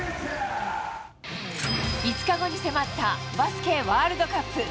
５日後に迫ったバスケワールドカップ。